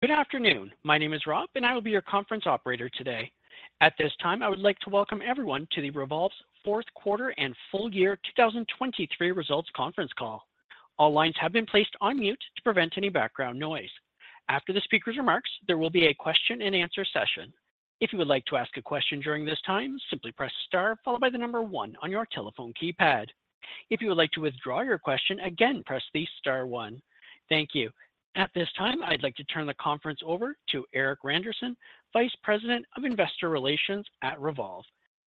Good afternoon. My name is Rob, and I will be your conference operator today. At this time, I would like to welcome everyone to the Revolve's fourth quarter and full-year 2023 results conference call. All lines have been placed on mute to prevent any background noise. After the speaker's remarks, there will be a question-and-answer session. If you would like to ask a question during this time, simply press star followed by the number one on your telephone keypad. If you would like to withdraw your question, again press the star one. Thank you. At this time, I'd like to turn the conference over to Erik Randerson, Vice President of Investor Relations at Revolve.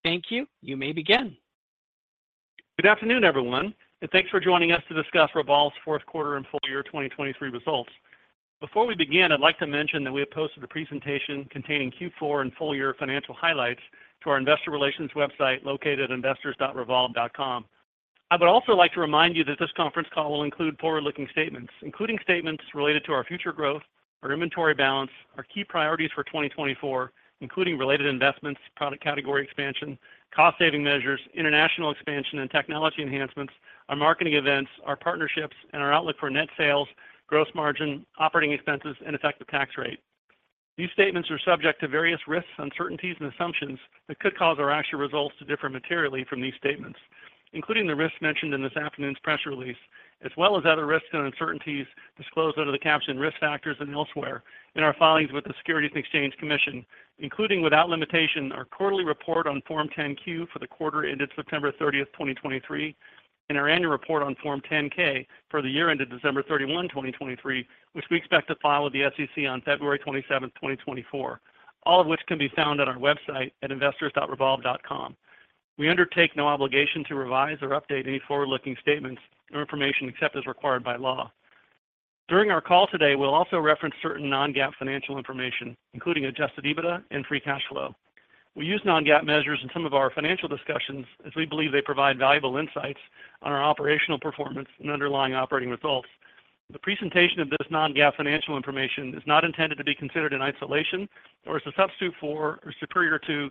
Thank you. You may begin. Good afternoon, everyone, and thanks for joining us to discuss Revolve's fourth quarter and full-year 2023 results. Before we begin, I'd like to mention that we have posted a presentation containing Q4 and full-year financial highlights to our investor relations website located at investors.revolve.com. I would also like to remind you that this conference call will include forward-looking statements, including statements related to our future growth, our inventory balance, our key priorities for 2024, including related investments, product category expansion, cost-saving measures, international expansion, and technology enhancements, our marketing events, our partnerships, and our outlook for net sales, gross margin, operating expenses, and effective tax rate. These statements are subject to various risks, uncertainties, and assumptions that could cause our actual results to differ materially from these statements, including the risks mentioned in this afternoon's press release, as well as other risks and uncertainties disclosed under the caption "Risk Factors" and elsewhere in our filings with the Securities and Exchange Commission, including without limitation our quarterly report on Form 10-Q for the quarter ended September 30th, 2023, and our annual report on Form 10-K for the year ended December 31st, 2023, which we expect to file with the SEC on February 27th, 2024, all of which can be found on our website at investors.revolve.com. We undertake no obligation to revise or update any forward-looking statements or information except as required by law. During our call today, we'll also reference certain non-GAAP financial information, including Adjusted EBITDA and Free Cash Flow. We use non-GAAP measures in some of our financial discussions as we believe they provide valuable insights on our operational performance and underlying operating results. The presentation of this non-GAAP financial information is not intended to be considered in isolation or as a substitute for or superior to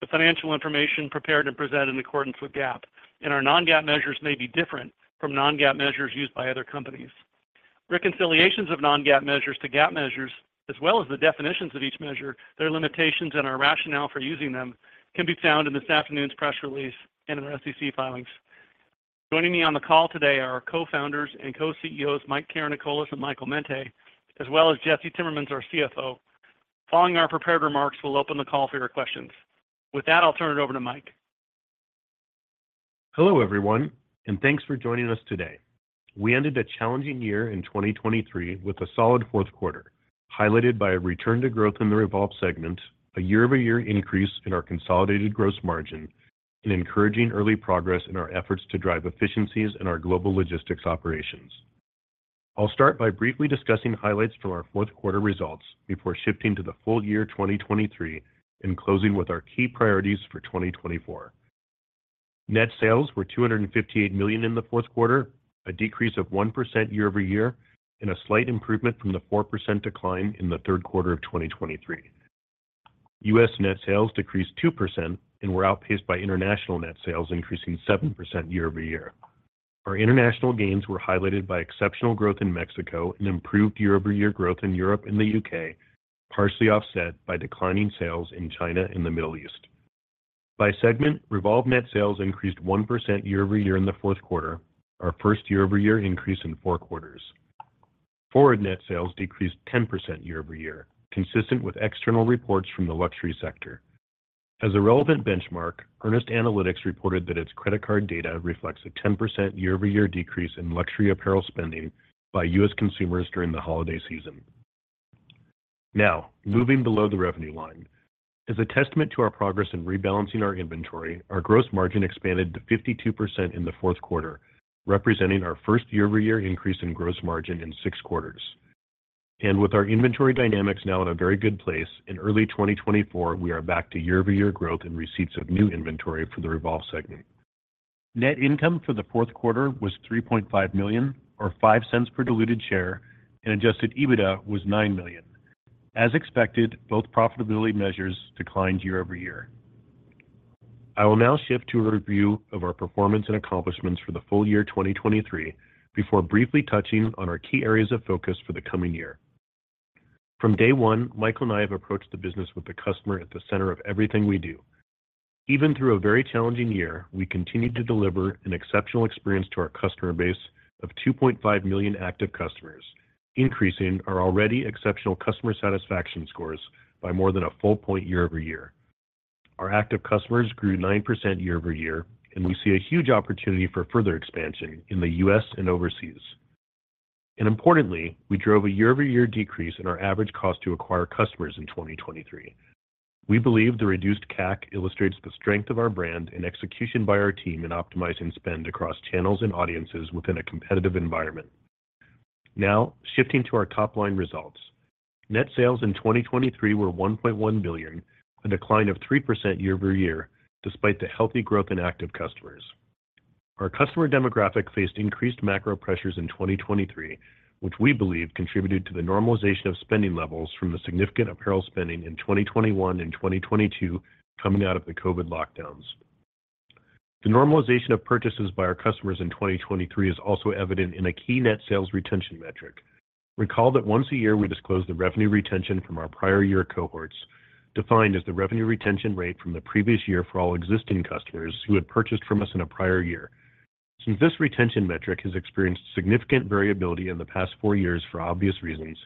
the financial information prepared and presented in accordance with GAAP, and our non-GAAP measures may be different from non-GAAP measures used by other companies. Reconciliations of non-GAAP measures to GAAP measures, as well as the definitions of each measure, their limitations, and our rationale for using them, can be found in this afternoon's press release and in the SEC filings. Joining me on the call today are our co-founders and co-CEOs Mike Karanikolas and Michael Mente, as well as Jesse Timmermans, our CFO. Following our prepared remarks, we'll open the call for your questions. With that, I'll turn it over to Mike. Hello everyone, and thanks for joining us today. We ended a challenging year in 2023 with a solid fourth quarter, highlighted by a return to growth in the Revolve segment, a year-over-year increase in our consolidated gross margin, and encouraging early progress in our efforts to drive efficiencies in our global logistics operations. I'll start by briefly discussing highlights from our fourth quarter results before shifting to the full-year 2023 and closing with our key priorities for 2024. Net sales were $258 million in the fourth quarter, a decrease of 1% year-over-year, and a slight improvement from the 4% decline in the third quarter of 2023. U.S. net sales decreased 2%, and were outpaced by international net sales, increasing 7% year-over-year. Our international gains were highlighted by exceptional growth in Mexico and improved year-over-year growth in Europe and the U.K., partially offset by declining sales in China and the Middle East. By segment, Revolve net sales increased 1% year-over-year in the fourth quarter, our first year-over-year increase in four quarters. FWRD net sales decreased 10% year-over-year, consistent with external reports from the luxury sector. As a relevant benchmark, Earnest Analytics reported that its credit card data reflects a 10% year-over-year decrease in luxury apparel spending by U.S. consumers during the holiday season. Now, moving below the revenue line. As a testament to our progress in rebalancing our inventory, our gross margin expanded to 52% in the fourth quarter, representing our first year-over-year increase in gross margin in six quarters. With our inventory dynamics now in a very good place, in early 2024, we are back to year-over-year growth and receipts of new inventory for the Revolve segment. Net income for the fourth quarter was $3.5 million, or $0.05 per diluted share, and adjusted EBITDA was $9 million. As expected, both profitability measures declined year-over-year. I will now shift to a review of our performance and accomplishments for the full year 2023 before briefly touching on our key areas of focus for the coming year. From day one, Michael and I have approached the business with the customer at the center of everything we do. Even through a very challenging year, we continue to deliver an exceptional experience to our customer base of 2.5 million active customers, increasing our already exceptional customer satisfaction scores by more than a full point year-over-year. Our active customers grew 9% year-over-year, and we see a huge opportunity for further expansion in the U.S. and overseas. Importantly, we drove a year-over-year decrease in our average cost to acquire customers in 2023. We believe the reduced CAC illustrates the strength of our brand and execution by our team in optimizing spend across channels and audiences within a competitive environment. Now, shifting to our top-line results. Net sales in 2023 were $1.1 billion, a decline of 3% year-over-year despite the healthy growth in active customers. Our customer demographic faced increased macro pressures in 2023, which we believe contributed to the normalization of spending levels from the significant apparel spending in 2021 and 2022 coming out of the COVID lockdowns. The normalization of purchases by our customers in 2023 is also evident in a key net sales retention metric. Recall that once a year we disclose the revenue retention from our prior year cohorts, defined as the revenue retention rate from the previous year for all existing customers who had purchased from us in a prior year. Since this retention metric has experienced significant variability in the past four years for obvious reasons,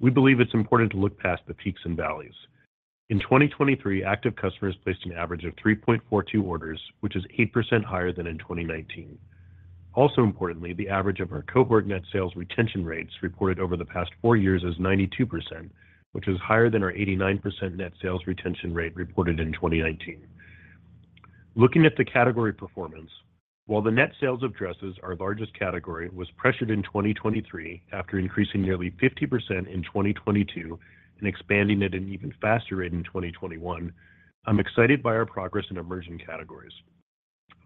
we believe it's important to look past the peaks and valleys. In 2023, active customers placed an average of 3.42 orders, which is 8% higher than in 2019. Also importantly, the average of our cohort net sales retention rates reported over the past four years is 92%, which is higher than our 89% net sales retention rate reported in 2019. Looking at the category performance, while the net sales of dresses, our largest category, was pressured in 2023 after increasing nearly 50% in 2022 and expanding at an even faster rate in 2021, I'm excited by our progress in emerging categories.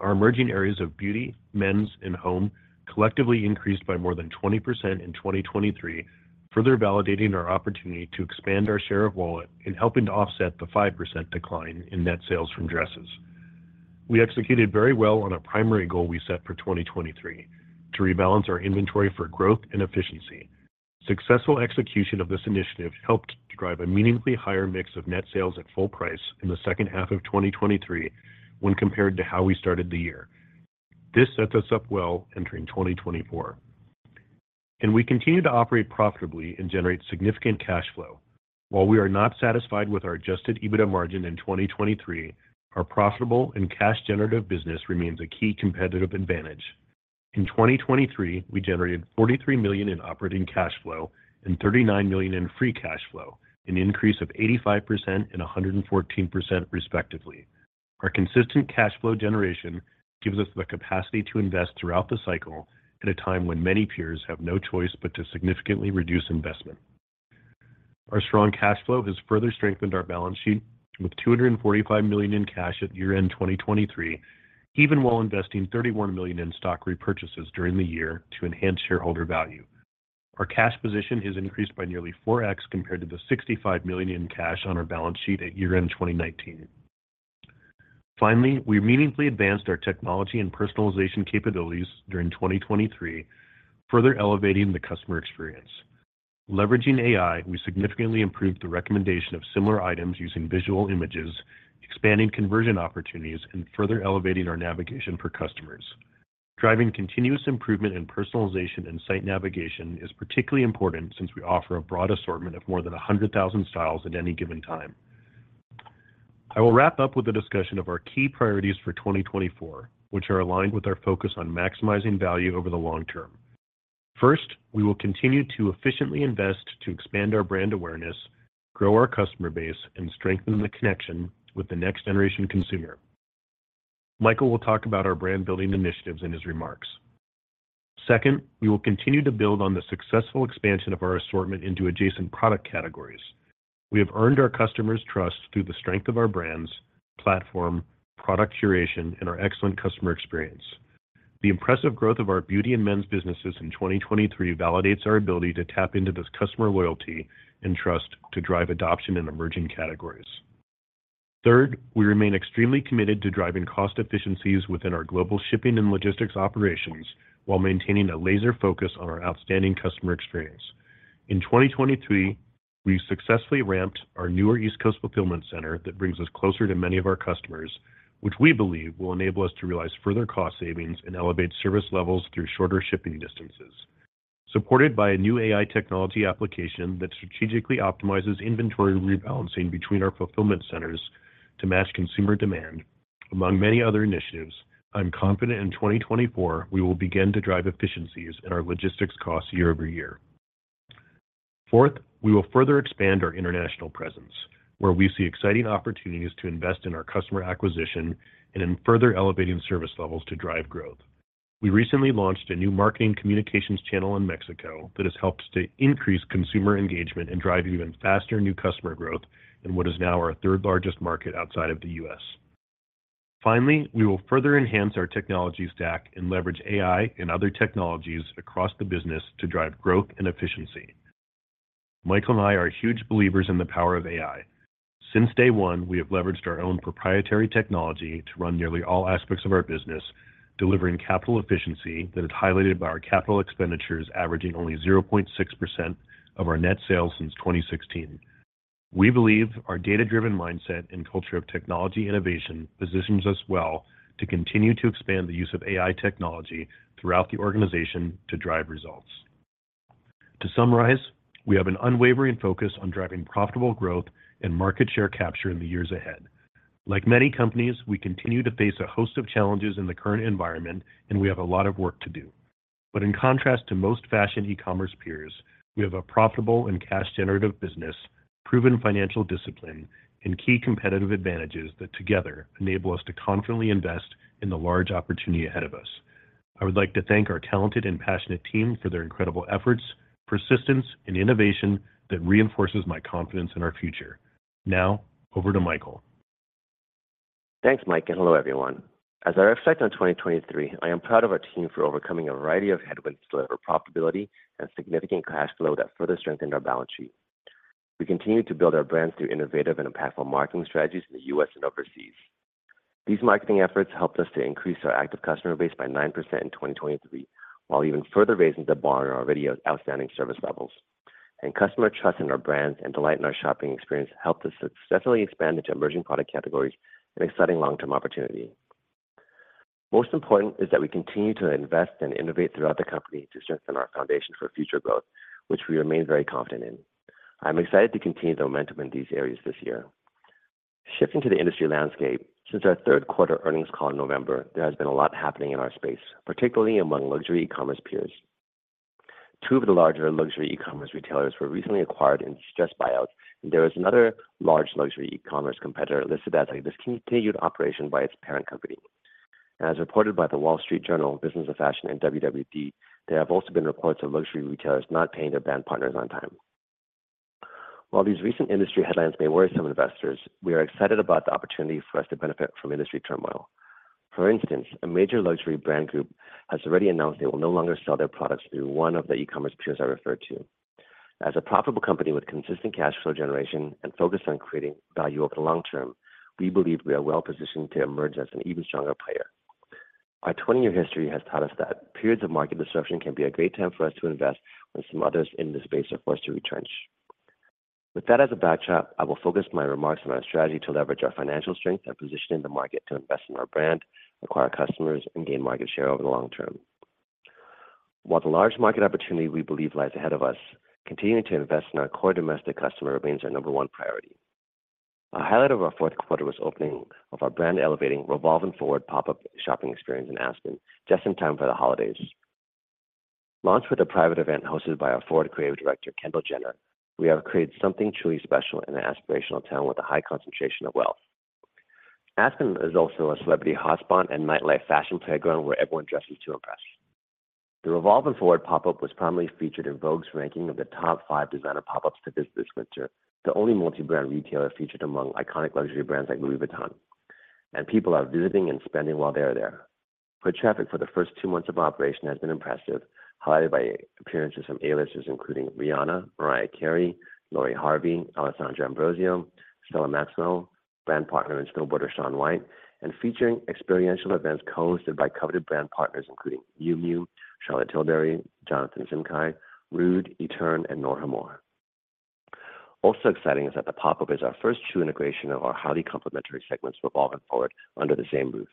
Our emerging areas of beauty, men's, and home collectively increased by more than 20% in 2023, further validating our opportunity to expand our share of wallet and helping to offset the 5% decline in net sales from dresses. We executed very well on a primary goal we set for 2023: to rebalance our inventory for growth and efficiency. Successful execution of this initiative helped to drive a meaningfully higher mix of net sales at full price in the second half of 2023 when compared to how we started the year. This sets us up well entering 2024. We continue to operate profitably and generate significant cash flow. While we are not satisfied with our Adjusted EBITDA margin in 2023, our profitable and cash-generative business remains a key competitive advantage. In 2023, we generated $43 million in operating cash flow and $39 million in free cash flow, an increase of 85% and 114% respectively. Our consistent cash flow generation gives us the capacity to invest throughout the cycle at a time when many peers have no choice but to significantly reduce investment. Our strong cash flow has further strengthened our balance sheet with $245 million in cash at year-end 2023, even while investing $31 million in stock repurchases during the year to enhance shareholder value. Our cash position has increased by nearly 4x compared to the $65 million in cash on our balance sheet at year-end 2019. Finally, we meaningfully advanced our technology and personalization capabilities during 2023, further elevating the customer experience. Leveraging AI, we significantly improved the recommendation of similar items using visual images, expanding conversion opportunities, and further elevating our navigation for customers. Driving continuous improvement in personalization and site navigation is particularly important since we offer a broad assortment of more than 100,000 styles at any given time. I will wrap up with a discussion of our key priorities for 2024, which are aligned with our focus on maximizing value over the long term. First, we will continue to efficiently invest to expand our brand awareness, grow our customer base, and strengthen the connection with the next-generation consumer. Michael will talk about our brand-building initiatives in his remarks. Second, we will continue to build on the successful expansion of our assortment into adjacent product categories. We have earned our customers' trust through the strength of our brands, platform, product curation, and our excellent customer experience. The impressive growth of our beauty and men's businesses in 2023 validates our ability to tap into this customer loyalty and trust to drive adoption in emerging categories. Third, we remain extremely committed to driving cost efficiencies within our global shipping and logistics operations while maintaining a laser focus on our outstanding customer experience. In 2023, we successfully ramped our newer East Coast Fulfillment Center that brings us closer to many of our customers, which we believe will enable us to realize further cost savings and elevate service levels through shorter shipping distances. Supported by a new AI technology application that strategically optimizes inventory rebalancing between our fulfillment centers to match consumer demand, among many other initiatives, I'm confident in 2024 we will begin to drive efficiencies in our logistics costs year over year. Fourth, we will further expand our international presence, where we see exciting opportunities to invest in our customer acquisition and in further elevating service levels to drive growth. We recently launched a new marketing communications channel in Mexico that has helped to increase consumer engagement and drive even faster new customer growth in what is now our third-largest market outside of the U.S. Finally, we will further enhance our technology stack and leverage AI and other technologies across the business to drive growth and efficiency. Michael and I are huge believers in the power of AI. Since day one, we have leveraged our own proprietary technology to run nearly all aspects of our business, delivering capital efficiency that is highlighted by our capital expenditures averaging only 0.6% of our net sales since 2016. We believe our data-driven mindset and culture of technology innovation positions us well to continue to expand the use of AI technology throughout the organization to drive results. To summarize, we have an unwavering focus on driving profitable growth and market share capture in the years ahead. Like many companies, we continue to face a host of challenges in the current environment, and we have a lot of work to do. But in contrast to most fashion e-commerce peers, we have a profitable and cash-generative business, proven financial discipline, and key competitive advantages that together enable us to confidently invest in the large opportunity ahead of us. I would like to thank our talented and passionate team for their incredible efforts, persistence, and innovation that reinforces my confidence in our future. Now, over to Michael. Thanks, Mike, and hello everyone. As I reflect on 2023, I am proud of our team for overcoming a variety of headwinds to deliver profitability and significant cash flow that further strengthened our balance sheet. We continue to build our brands through innovative and impactful marketing strategies in the U.S. and overseas. These marketing efforts helped us to increase our active customer base by 9% in 2023 while even further raising the bar on our already outstanding service levels. Customer trust in our brands and delight in our shopping experience helped us successfully expand into emerging product categories and exciting long-term opportunity. Most important is that we continue to invest and innovate throughout the company to strengthen our foundation for future growth, which we remain very confident in. I'm excited to continue the momentum in these areas this year. Shifting to the industry landscape, since our third quarter earnings call in November, there has been a lot happening in our space, particularly among luxury e-commerce peers. Two of the larger luxury e-commerce retailers were recently acquired in distressed buyouts, and there is another large luxury e-commerce competitor listed as a discontinued operation by its parent company. As reported by the Wall Street Journal, Business of Fashion, and WWD, there have also been reports of luxury retailers not paying their brand partners on time. While these recent industry headlines may worry some investors, we are excited about the opportunity for us to benefit from industry turmoil. For instance, a major luxury brand group has already announced they will no longer sell their products through one of the e-commerce peers I referred to. As a profitable company with consistent cash flow generation and focused on creating value over the long term, we believe we are well positioned to emerge as an even stronger player. Our 20-year history has taught us that periods of market disruption can be a great time for us to invest when some others in the space are forced to retrench. With that as a backdrop, I will focus my remarks on our strategy to leverage our financial strength and position in the market to invest in our brand, acquire customers, and gain market share over the long term. While the large market opportunity we believe lies ahead of us, continuing to invest in our core domestic customer remains our number one priority. A highlight of our fourth quarter was the opening of our brand-elevating Revolve & FWRD pop-up shopping experience in Aspen, just in time for the holidays. Launched with a private event hosted by our FWRD Creative Director, Kendall Jenner, we have created something truly special in an aspirational town with a high concentration of wealth. Aspen is also a celebrity hotspot and nightlife fashion playground where everyone dresses to impress. The Revolve & FWRD pop-up was prominently featured in Vogue's ranking of the top five designer pop-ups to visit this winter, the only multi-brand retailer featured among iconic luxury brands like Louis Vuitton. And people are visiting and spending while they are there. Foot traffic for the first two months of operation has been impressive, highlighted by appearances from A-listers including Rihanna, Mariah Carey, Lori Harvey, Alessandra Ambrosio, Stella Maxwell, brand partner and snowboarder Shaun White, and featuring experiential events co-hosted by coveted brand partners including Miu Miu, Charlotte Tilbury, Jonathan Simkhai, Rhude, Éterne, and Nour Hammour. Also exciting is that the pop-up is our first true integration of our highly complementary segments Revolve & FWRD under the same roof.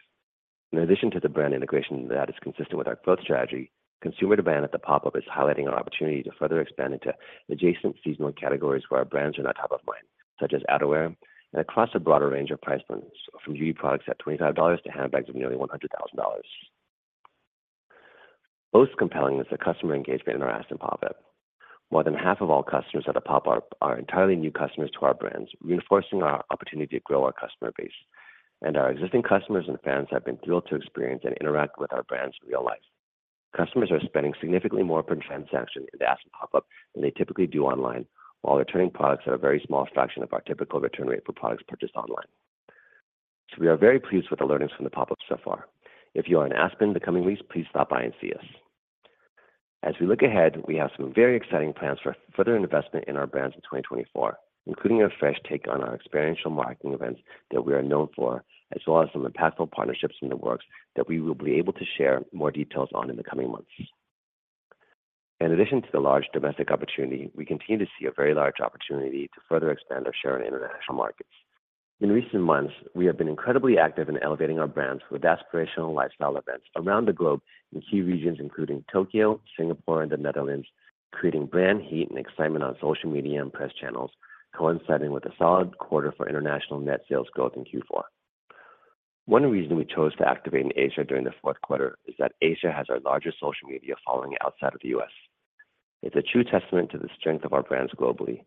In addition to the brand integration that is consistent with our growth strategy, consumer demand at the pop-up is highlighting our opportunity to further expand into adjacent seasonal categories where our brands are not top of mind, such as outerwear, and across a broader range of price points from beauty products at $25 to handbags of nearly $100,000. Most compelling is the customer engagement in our Aspen pop-up. More than half of all customers at the pop-up are entirely new customers to our brands, reinforcing our opportunity to grow our customer base. Our existing customers and fans have been thrilled to experience and interact with our brands in real life. Customers are spending significantly more per transaction in the Aspen pop-up than they typically do online, while returning products at a very small fraction of our typical return rate for products purchased online. So we are very pleased with the learnings from the pop-up so far. If you are in Aspen the coming weeks, please stop by and see us. As we look ahead, we have some very exciting plans for further investment in our brands in 2024, including a fresh take on our experiential marketing events that we are known for, as well as some impactful partnerships in the works that we will be able to share more details on in the coming months. In addition to the large domestic opportunity, we continue to see a very large opportunity to further expand our share in international markets. In recent months, we have been incredibly active in elevating our brands with aspirational lifestyle events around the globe in key regions including Tokyo, Singapore, and the Netherlands, creating brand heat and excitement on social media and press channels, coinciding with a solid quarter for international net sales growth in Q4. One reason we chose to activate in Asia during the fourth quarter is that Asia has our largest social media following outside of the U.S. It's a true testament to the strength of our brands globally,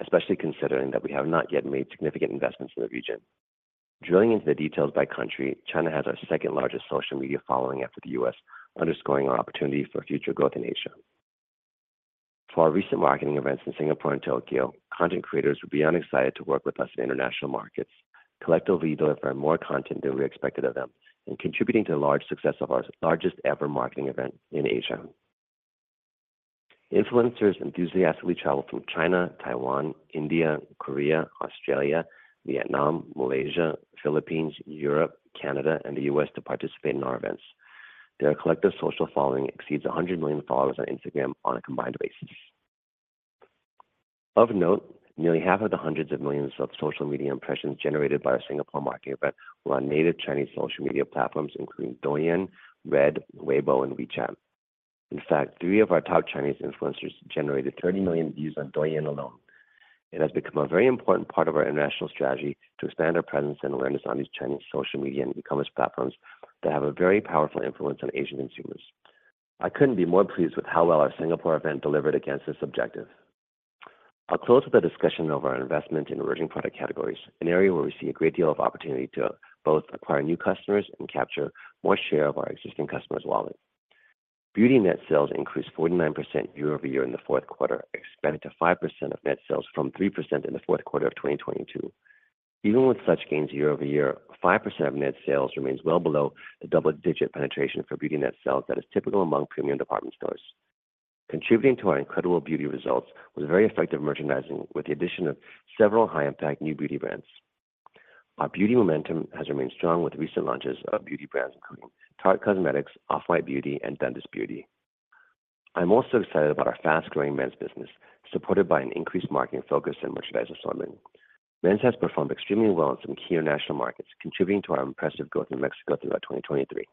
especially considering that we have not yet made significant investments in the region. Drilling into the details by country, China has our second-largest social media following after the U.S., underscoring our opportunity for future growth in Asia. For our recent marketing events in Singapore and Tokyo, content creators would be unexcited to work with us in international markets, collectively delivering more content than we expected of them, and contributing to the large success of our largest-ever marketing event in Asia. Influencers enthusiastically travel from China, Taiwan, India, Korea, Australia, Vietnam, Malaysia, Philippines, Europe, Canada, and the U.S. to participate in our events. Their collective social following exceeds 100 million followers on Instagram on a combined basis. Of note, nearly half of the hundreds of millions of social media impressions generated by our Singapore marketing event were on native Chinese social media platforms including Douyin, Red, Weibo, and WeChat. In fact, three of our top Chinese influencers generated 30 million views on Douyin alone. It has become a very important part of our international strategy to expand our presence and awareness on these Chinese social media and e-commerce platforms that have a very powerful influence on Asian consumers. I couldn't be more pleased with how well our Singapore event delivered against this objective. I'll close with a discussion of our investment in emerging product categories, an area where we see a great deal of opportunity to both acquire new customers and capture more share of our existing customers' wallets. Beauty net sales increased 49% year-over-year in the fourth quarter, expanding to 5% of net sales from 3% in the fourth quarter of 2022. Even with such gains year-over-year, 5% of net sales remains well below the double-digit penetration for beauty net sales that is typical among premium department stores. Contributing to our incredible beauty results was very effective merchandising with the addition of several high-impact new beauty brands. Our beauty momentum has remained strong with recent launches of beauty brands including Tarte Cosmetics, Off-White Beauty, and Dr. Dennis Gross. I'm also excited about our fast-growing men's business, supported by an increased marketing focus in merchandise assortment. Men's has performed extremely well in some key international markets, contributing to our impressive growth in Mexico throughout 2023.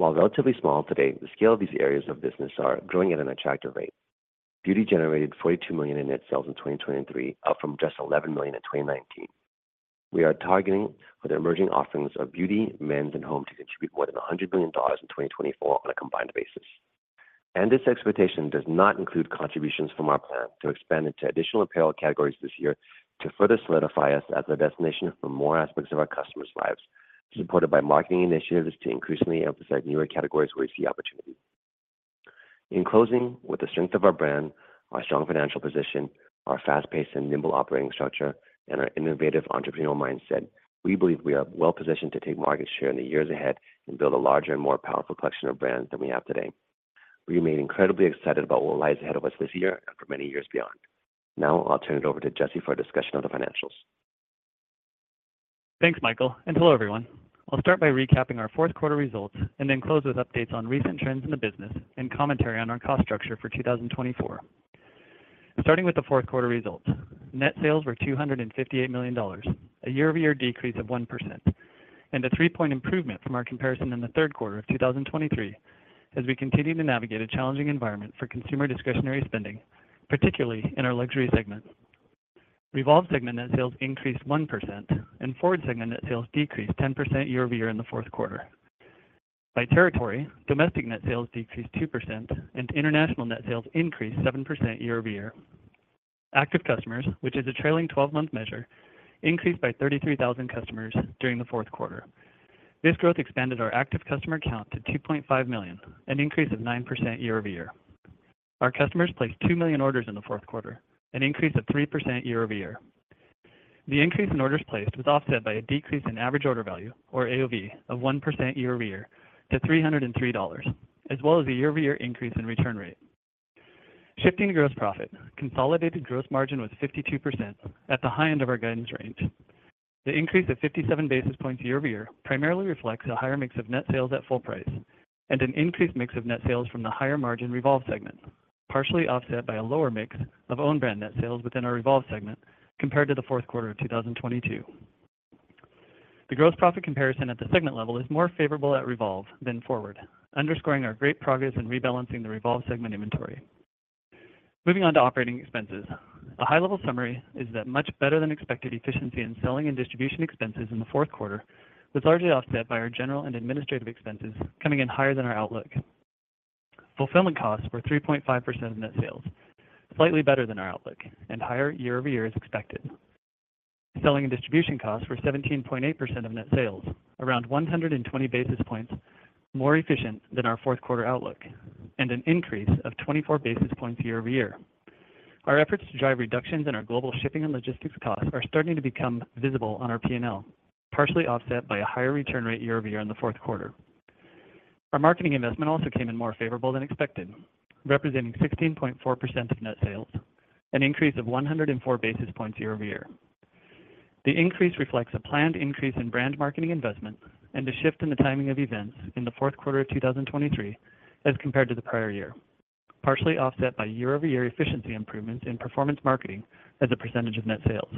While relatively small today, the scale of these areas of business is growing at an attractive rate. Beauty generated $42 million in net sales in 2023, up from just $11 million in 2019. We are targeting for the emerging offerings of beauty, men's, and home to contribute more than $100 million in 2024 on a combined basis. This expectation does not include contributions from our plan to expand into additional apparel categories this year to further solidify us as a destination for more aspects of our customers' lives, supported by marketing initiatives to increasingly emphasize newer categories where we see opportunity. In closing, with the strength of our brand, our strong financial position, our fast-paced and nimble operating structure, and our innovative entrepreneurial mindset, we believe we are well positioned to take market share in the years ahead and build a larger and more powerful collection of brands than we have today. We remain incredibly excited about what lies ahead of us this year and for many years beyond. Now, I'll turn it over to Jesse for a discussion of the financials. Thanks, Michael, and hello everyone. I'll start by recapping our fourth quarter results and then close with updates on recent trends in the business and commentary on our cost structure for 2024. Starting with the fourth quarter results, net sales were $258 million, a year-over-year decrease of 1%, and a three-point improvement from our comparison in the third quarter of 2023 as we continue to navigate a challenging environment for consumer discretionary spending, particularly in our luxury segment. Revolve segment net sales increased 1%, and FWRD segment net sales decreased 10% year-over-year in the fourth quarter. By territory, domestic net sales decreased 2%, and international net sales increased 7% year-over-year. Active customers, which is a trailing 12-month measure, increased by 33,000 customers during the fourth quarter. This growth expanded our active customer count to 2.5 million, an increase of 9% year-over-year. Our customers placed two million orders in the fourth quarter, an increase of 3% year-over-year. The increase in orders placed was offset by a decrease in average order value, or AOV, of 1% year-over-year to $303, as well as a year-over-year increase in return rate. Shifting to gross profit, consolidated gross margin was 52% at the high end of our guidance range. The increase of 57 basis points year-over-year primarily reflects a higher mix of net sales at full price and an increased mix of net sales from the higher margin Revolve segment, partially offset by a lower mix of own-brand net sales within our Revolve segment compared to the fourth quarter of 2022. The gross profit comparison at the segment level is more favorable at Revolve than FWRD, underscoring our great progress in rebalancing the Revolve segment inventory. Moving on to operating expenses, a high-level summary is that much better-than-expected efficiency in selling and distribution expenses in the fourth quarter was largely offset by our general and administrative expenses coming in higher than our outlook. Fulfillment costs were 3.5% of net sales, slightly better than our outlook, and higher year-over-year as expected. Selling and distribution costs were 17.8% of net sales, around 120 basis points more efficient than our fourth quarter outlook, and an increase of 24 basis points year-over-year. Our efforts to drive reductions in our global shipping and logistics costs are starting to become visible on our P&L, partially offset by a higher return rate year-over-year in the fourth quarter. Our marketing investment also came in more favorable than expected, representing 16.4% of net sales, an increase of 104 basis points year-over-year. The increase reflects a planned increase in brand marketing investment and a shift in the timing of events in the fourth quarter of 2023 as compared to the prior year, partially offset by year-over-year efficiency improvements in performance marketing as a percentage of net sales.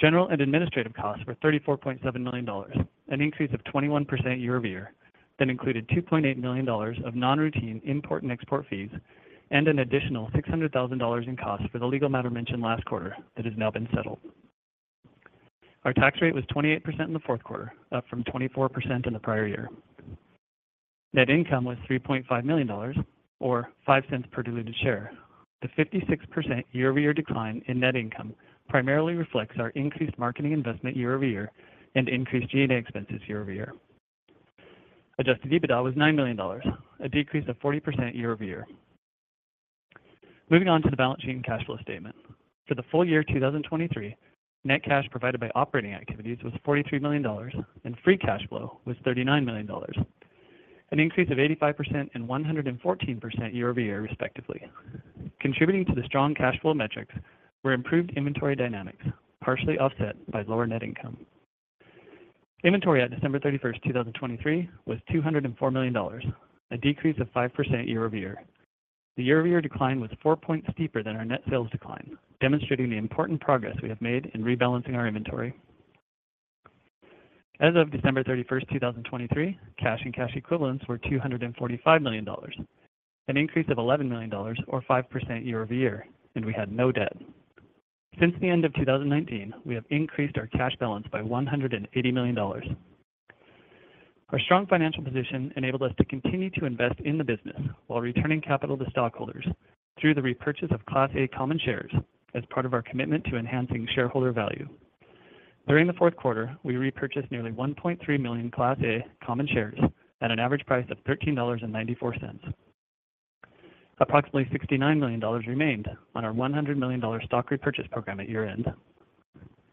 General and administrative costs were $34.7 million, an increase of 21% year-over-year that included $2.8 million of non-routine import and export fees and an additional $600,000 in costs for the legal matter mentioned last quarter that has now been settled. Our tax rate was 28% in the fourth quarter, up from 24% in the prior year. Net income was $3.5 million, or $0.05 per diluted share. The 56% year-over-year decline in net income primarily reflects our increased marketing investment year-over-year and increased G&A expenses year-over-year. Adjusted EBITDA was $9 million, a decrease of 40% year-over-year. Moving on to the balance sheet and cash flow statement. For the full year 2023, net cash provided by operating activities was $43 million, and free cash flow was $39 million, an increase of 85% and 114% year over year, respectively. Contributing to the strong cash flow metrics were improved inventory dynamics, partially offset by lower net income. Inventory at December 31st, 2023, was $204 million, a decrease of 5% year over year. The year-over-year decline was four points steeper than our net sales decline, demonstrating the important progress we have made in rebalancing our inventory. As of December 31st, 2023, cash and cash equivalents were $245 million, an increase of $11 million, or 5% year over year, and we had no debt. Since the end of 2019, we have increased our cash balance by $180 million. Our strong financial position enabled us to continue to invest in the business while returning capital to stockholders through the repurchase of Class A common shares as part of our commitment to enhancing shareholder value. During the fourth quarter, we repurchased nearly 1.3 million Class A common shares at an average price of $13.94. Approximately $69 million remained on our $100 million stock repurchase program at year-end.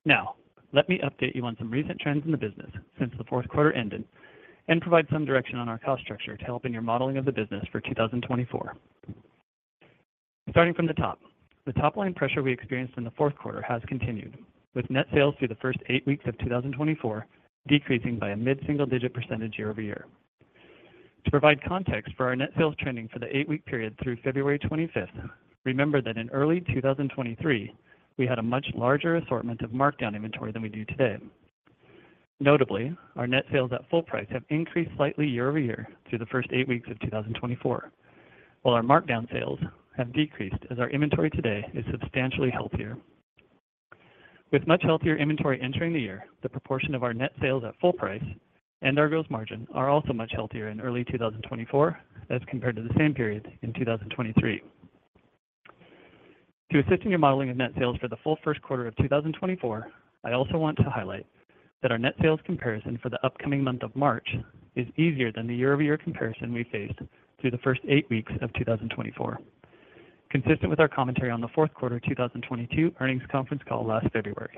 Now, let me update you on some recent trends in the business since the fourth quarter ended and provide some direction on our cost structure to help in your modeling of the business for 2024. Starting from the top, the top-line pressure we experienced in the fourth quarter has continued, with net sales through the first eight weeks of 2024 decreasing by a mid-single-digit % year-over-year. To provide context for our net sales trending for the 8-week period through February 25th, remember that in early 2023, we had a much larger assortment of markdown inventory than we do today. Notably, our net sales at full price have increased slightly year over year through the first eight weeks of 2024, while our markdown sales have decreased as our inventory today is substantially healthier. With much healthier inventory entering the year, the proportion of our net sales at full price and our gross margin are also much healthier in early 2024 as compared to the same period in 2023. To assist in your modeling of net sales for the full first quarter of 2024, I also want to highlight that our net sales comparison for the upcoming month of March is easier than the year-over-year comparison we faced through the first eight weeks of 2024, consistent with our commentary on the fourth quarter 2022 earnings conference call last February.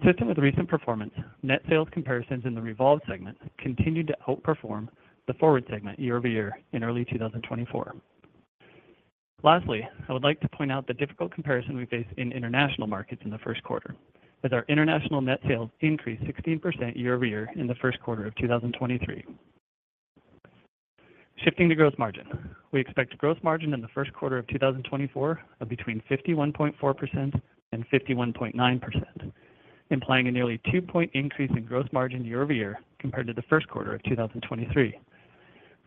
Consistent with recent performance, net sales comparisons in the Revolve segment continued to outperform the FWRD segment year-over-year in early 2024. Lastly, I would like to point out the difficult comparison we faced in international markets in the first quarter, as our international net sales increased 16% year-over-year in the first quarter of 2023. Shifting to gross margin, we expect gross margin in the first quarter of 2024 of between 51.4% and 51.9%, implying a nearly two-point increase in gross margin year-over-year compared to the first quarter of 2023.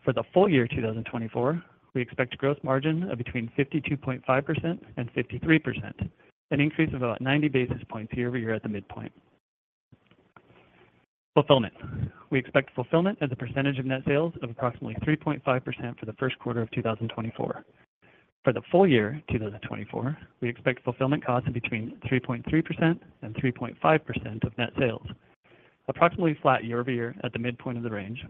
For the full year 2024, we expect gross margin of between 52.5% and 53%, an increase of about 90 basis points year-over-year at the midpoint. Fulfillment, we expect fulfillment as a percentage of net sales of approximately 3.5% for the first quarter of 2024. For the full year 2024, we expect fulfillment costs of between 3.3% and 3.5% of net sales, approximately flat year-over-year at the midpoint of the range.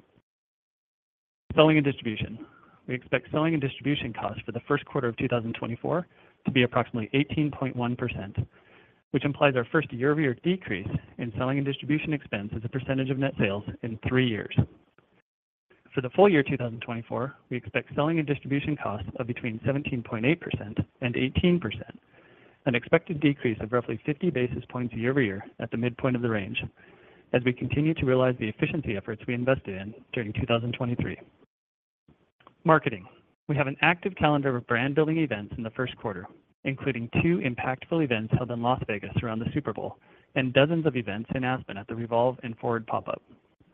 Selling and distribution, we expect selling and distribution costs for the first quarter of 2024 to be approximately 18.1%, which implies our first year-over-year decrease in selling and distribution expense as a percentage of net sales in three years. For the full year 2024, we expect selling and distribution costs of between 17.8% and 18%, an expected decrease of roughly 50 basis points year-over-year at the midpoint of the range as we continue to realize the efficiency efforts we invested in during 2023. Marketing, we have an active calendar of brand-building events in the first quarter, including two impactful events held in Las Vegas around the Super Bowl and dozens of events in Aspen at the Revolve and FWRD pop-up.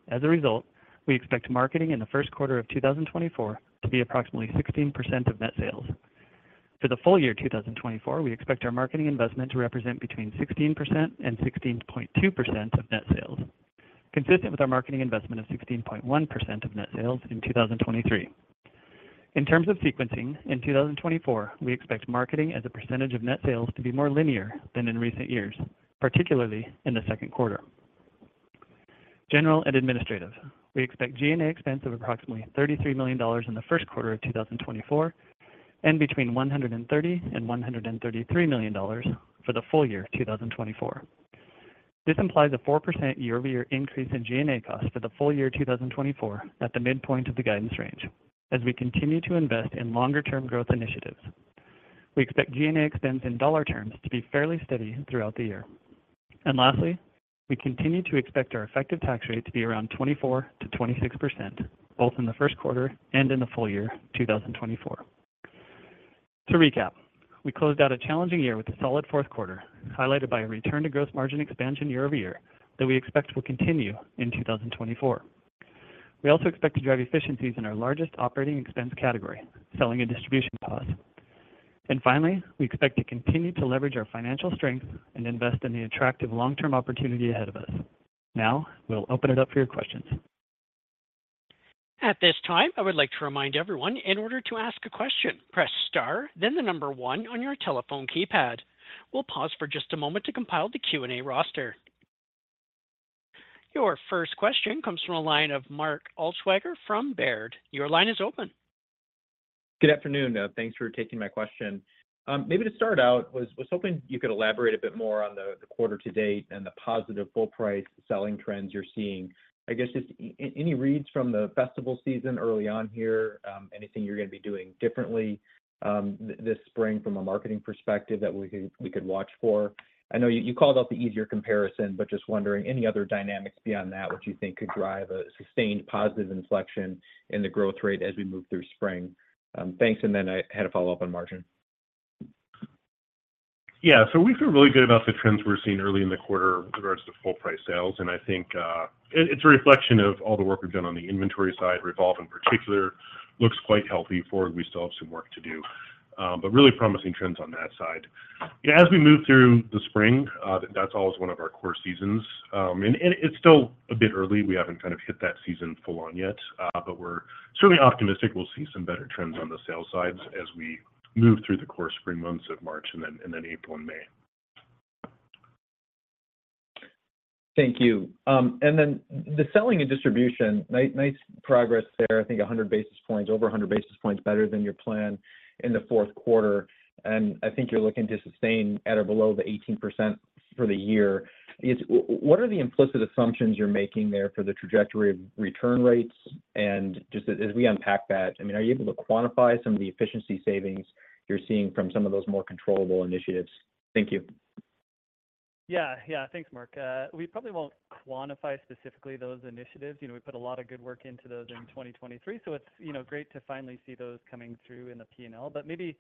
As a result, we expect marketing in the first quarter of 2024 to be approximately 16% of net sales. For the full year 2024, we expect our marketing investment to represent between 16% and 16.2% of net sales, consistent with our marketing investment of 16.1% of net sales in 2023. In terms of sequencing, in 2024, we expect marketing as a percentage of net sales to be more linear than in recent years, particularly in the second quarter. General and administrative, we expect G&A expense of approximately $33 million in the first quarter of 2024 and between $130 and $133 million for the full year 2024. This implies a 4% year-over-year increase in G&A costs for the full year 2024 at the midpoint of the guidance range as we continue to invest in longer-term growth initiatives. We expect G&A expense in dollar terms to be fairly steady throughout the year. Lastly, we continue to expect our effective tax rate to be around 24% to 26%, both in the first quarter and in the full year 2024. To recap, we closed out a challenging year with a solid fourth quarter, highlighted by a return to gross margin expansion year-over-year that we expect will continue in 2024. We also expect to drive efficiencies in our largest operating expense category, selling and distribution costs. And finally, we expect to continue to leverage our financial strength and invest in the attractive long-term opportunity ahead of us. Now, we'll open it up for your questions. At this time, I would like to remind everyone, in order to ask a question, press star, then the number one on your telephone keypad. We'll pause for just a moment to compile the Q&A roster. Your first question comes from a line of Mark Altschwager from Baird. Your line is open. Good afternoon, though. Thanks for taking my question. Maybe to start out, I was hoping you could elaborate a bit more on the quarter-to-date and the positive full-price selling trends you're seeing. I guess just any reads from the festival season early on here, anything you're going to be doing differently this spring from a marketing perspective that we could watch for. I know you called out the easier comparison, but just wondering, any other dynamics beyond that which you think could drive a sustained positive inflection in the growth rate as we move through spring? Thanks, and then I had a follow-up on margin. Yeah, so we feel really good about the trends we're seeing early in the quarter with regards to full-price sales. I think it's a reflection of all the work we've done on the inventory side. Revolve, in particular, looks quite healthy. FWRD, we still have some work to do, but really promising trends on that side. As we move through the spring, that's always one of our core seasons. It's still a bit early. We haven't kind of hit that season full-on yet, but we're certainly optimistic we'll see some better trends on the sales sides as we move through the core spring months of March and then April and May. Thank you. Then the selling and distribution, nice progress there. I think 100 basis points, over 100 basis points better than your plan in the fourth quarter. And I think you're looking to sustain at or below the 18% for the year. What are the implicit assumptions you're making there for the trajectory of return rates? And just as we unpack that, I mean, are you able to quantify some of the efficiency savings you're seeing from some of those more controllable initiatives? Thank you. Yeah, yeah. Thanks, Mark. We probably won't quantify specifically those initiatives. We put a lot of good work into those in 2023, so it's great to finally see those coming through in the P&L. But maybe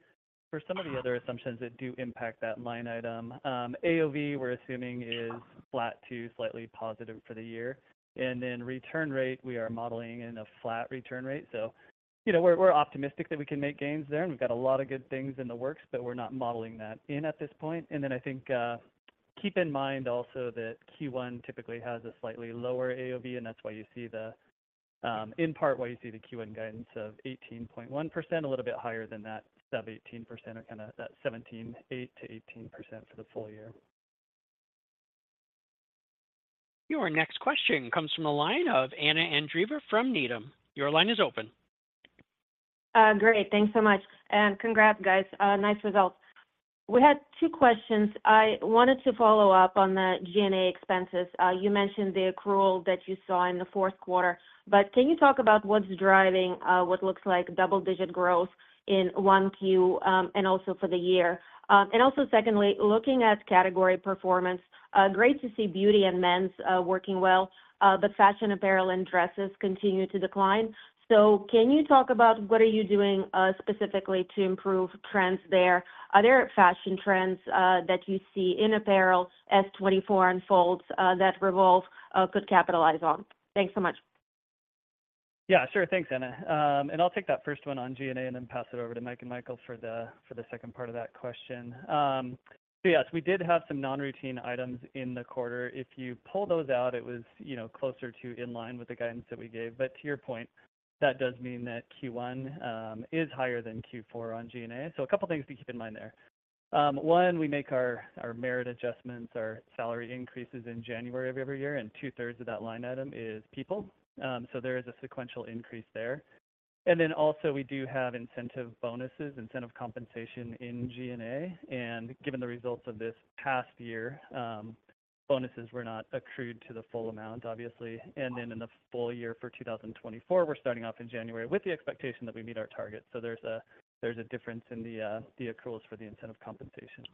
for some of the other assumptions that do impact that line item, AOV, we're assuming, is flat to slightly positive for the year. And then return rate, we are modeling in a flat return rate. So we're optimistic that we can make gains there, and we've got a lot of good things in the works, but we're not modeling that in at this point. Then I think keep in mind also that Q1 typically has a slightly lower AOV, and that's in part why you see the Q1 guidance of 18.1%, a little bit higher than that sub-18% or kind of that 17.8% to 18% for the full year. Your next question comes from a line of Anna Andreeva from Needham. Your line is open. Great. Thanks so much. And congrats, guys. Nice results. We had two questions. I wanted to follow up on the G&A expenses. You mentioned the accrual that you saw in the fourth quarter, but can you talk about what's driving what looks like double-digit growth in 1Q and also for the year? And also secondly, looking at category performance, great to see beauty and men's working well, but fashion, apparel, and dresses continue to decline. So can you talk about what are you doing specifically to improve trends there? Are there fashion trends that you see in apparel as 2024 unfolds that Revolve could capitalize on? Thanks so much. Yeah, sure. Thanks, Anna. And I'll take that first one on G&A and then pass it over to Mike and Michael for the second part of that question. So yes, we did have some non-routine items in the quarter. If you pull those out, it was closer to in line with the guidance that we gave. But to your point, that does mean that Q1 is higher than Q4 on G&A. So a couple of things to keep in mind there. One, we make our merit adjustments, our salary increases in January of every year, and two-thirds of that line item is people. So there is a sequential increase there. And then also, we do have incentive bonuses, incentive compensation in G&A. And given the results of this past year, bonuses were not accrued to the full amount, obviously. Then in the full year for 2024, we're starting off in January with the expectation that we meet our target. There's a difference in the accruals for the incentive compensation.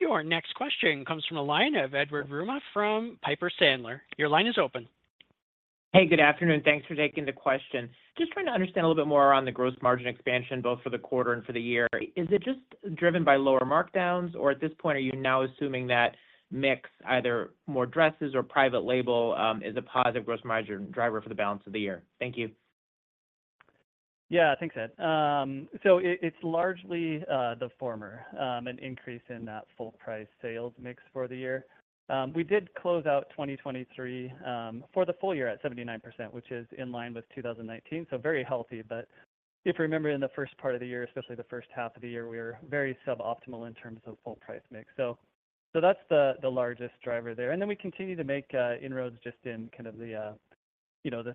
Your next question comes from a line of Edward Yruma from Piper Sandler. Your line is open. Hey, good afternoon. Thanks for taking the question. Just trying to understand a little bit more around the gross margin expansion, both for the quarter and for the year. Is it just driven by lower markdowns, or at this point, are you now assuming that mix, either more dresses or private label, is a positive gross margin driver for the balance of the year? Thank you. Yeah, thanks, Ed. So it's largely the former, an increase in that full-price sales mix for the year. We did close out 2023 for the full year at 79%, which is in line with 2019, so very healthy. But if you remember, in the first part of the year, especially the first half of the year, we were very suboptimal in terms of full-price mix. So that's the largest driver there. And then we continue to make inroads just in kind of the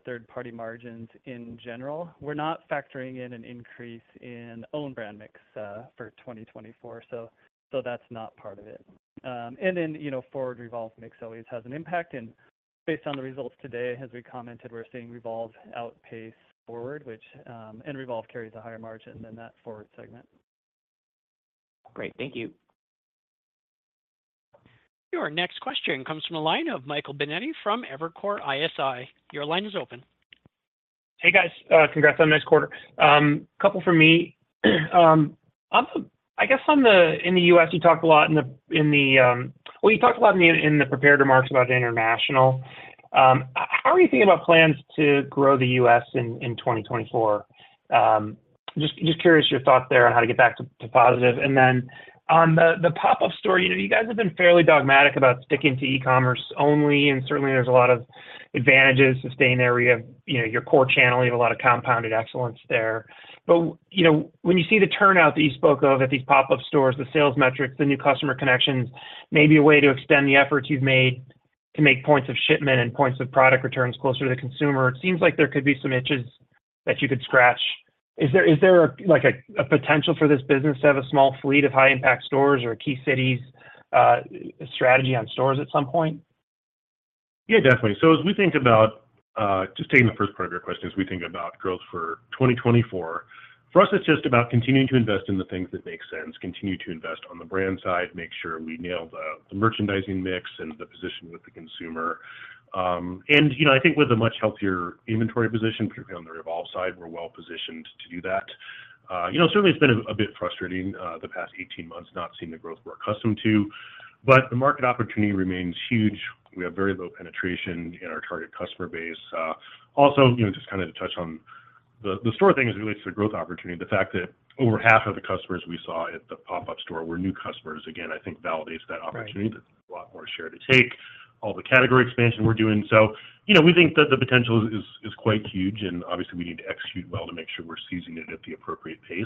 third-party margins in general. We're not factoring in an increase in own brand mix for 2024, so that's not part of it. And then FWRD Revolve mix always has an impact. And based on the results today, as we commented, we're seeing Revolve outpace FWRD, and Revolve carries a higher margin than that FWRD segment. Great. Thank you. Your next question comes from a line of Michael Binetti from Evercore ISI. Your line is open. Hey, guys. Congrats on next quarter. A couple from me. I guess in the U.S., you talked a lot. Well, you talked a lot in the preparatory remarks about international. How are you thinking about plans to grow the U.S. in 2024? Just curious your thoughts there on how to get back to positive. And then on the pop-up store, you guys have been fairly dogmatic about sticking to e-commerce only, and certainly, there's a lot of advantages sustained there. You have your core channel. You have a lot of compounded excellence there. But when you see the turnout that you spoke of at these pop-up stores, the sales metrics, the new customer connections, maybe a way to extend the efforts you've made to make points of shipment and points of product returns closer to the consumer, it seems like there could be some itches that you could scratch. Is there a potential for this business to have a small fleet of high-impact stores or a key cities strategy on stores at some point? Yeah, definitely. So as we think about just taking the first part of your question, as we think about growth for 2024, for us, it's just about continuing to invest in the things that make sense, continue to invest on the brand side, make sure we nail the merchandising mix and the position with the consumer. And I think with a much healthier inventory position, particularly on the Revolve side, we're well-positioned to do that. Certainly, it's been a bit frustrating the past 18 months not seeing the growth we're accustomed to, but the market opportunity remains huge. We have very low penetration in our target customer base. Also, just kind of to touch on the store thing as it relates to the growth opportunity, the fact that over half of the customers we saw at the pop-up store were new customers, again, I think validates that opportunity that there's a lot more share to take, all the category expansion we're doing. So we think that the potential is quite huge, and obviously, we need to execute well to make sure we're seizing it at the appropriate pace.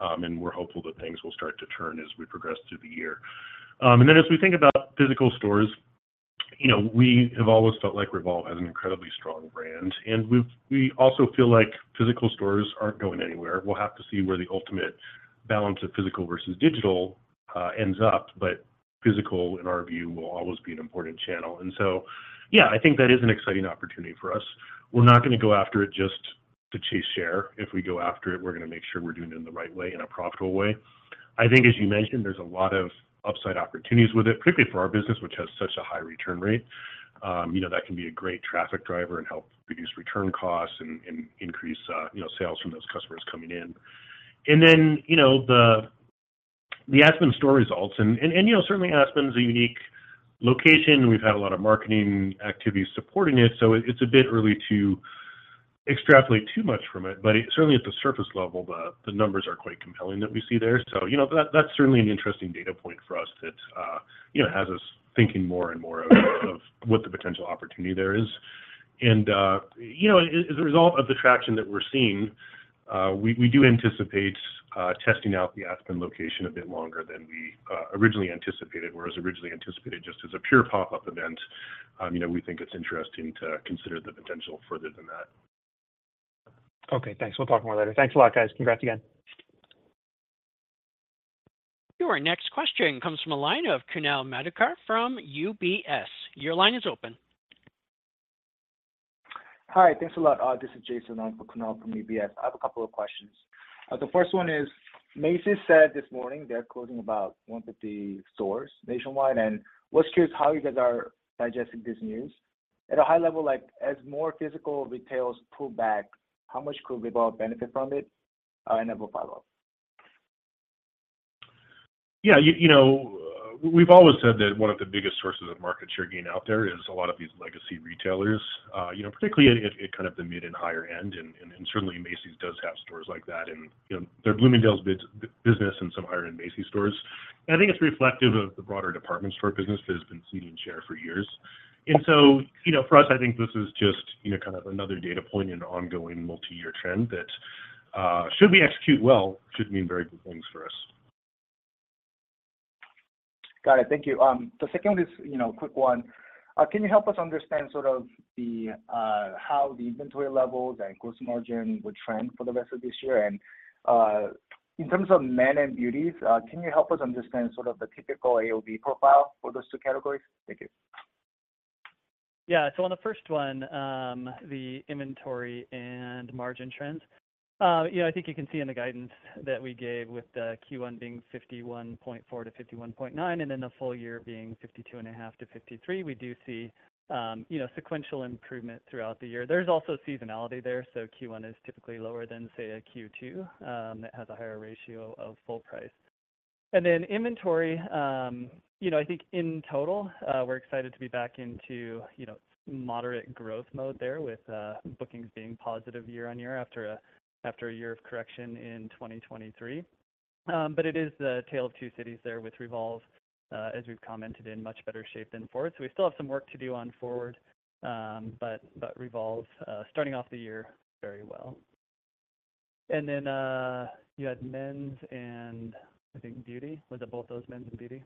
And we're hopeful that things will start to turn as we progress through the year. And then as we think about physical stores, we have always felt like Revolve has an incredibly strong brand, and we also feel like physical stores aren't going anywhere. We'll have to see where the ultimate balance of physical versus digital ends up, but physical, in our view, will always be an important channel. So yeah, I think that is an exciting opportunity for us. We're not going to go after it just to chase share. If we go after it, we're going to make sure we're doing it in the right way, in a profitable way. I think, as you mentioned, there's a lot of upside opportunities with it, particularly for our business, which has such a high return rate. That can be a great traffic driver and help reduce return costs and increase sales from those customers coming in. Then the Aspen store results, and certainly, Aspen's a unique location. We've had a lot of marketing activities supporting it, so it's a bit early to extrapolate too much from it. But certainly, at the surface level, the numbers are quite compelling that we see there. That's certainly an interesting data point for us that has us thinking more and more of what the potential opportunity there is. As a result of the traction that we're seeing, we do anticipate testing out the Aspen location a bit longer than we originally anticipated. Whereas originally anticipated just as a pure pop-up event, we think it's interesting to consider the potential further than that. Okay, thanks. We'll talk more later. Thanks a lot, guys. Congrats again. Your next question comes from a line of Kunal Madhukar from UBS. Your line is open. Hi, thanks a lot. This is Jason Nankivell from UBS. I have a couple of questions. The first one is, Macy's said this morning they're closing about 150 stores nationwide, and I was curious how you guys are digesting this news. At a high level, as more physical retailers pull back, how much could Revolve benefit from it? And then we'll follow up. Yeah, we've always said that one of the biggest sources of market share gain out there is a lot of these legacy retailers, particularly at kind of the mid and higher end. And certainly, Macy's does have stores like that, and they're Bloomingdale's business and some higher-end Macy's stores. And I think it's reflective of the broader department store business that has been ceding share for years. And so for us, I think this is just kind of another data point in an ongoing multi-year trend that should we execute well, should mean very good things for us. Got it. Thank you. The second one is a quick one. Can you help us understand sort of how the inventory levels and gross margin would trend for the rest of this year? And in terms of men and Beauty can you help us understand sort of the typical AOV profile for those two categories? Thank you. Yeah, so on the first one, the inventory and margin trends, I think you can see in the guidance that we gave with the Q1 being 51.4% to 51.9% and then the full year being 52.5% to 53%, we do see sequential improvement throughout the year. There's also seasonality there, so Q1 is typically lower than, say, a Q2 that has a higher ratio of full price. And then inventory, I think in total, we're excited to be back into moderate growth mode there with bookings being positive year-over-year after a year of correction in 2023. But it is the tale of two cities there with Revolve, as we've commented, in much better shape than FWRD. So we still have some work to do on FWRD, but Revolve starting off the year very well. And then you had men's and, I think, beauty. Was it both those, men's and beauty? Kind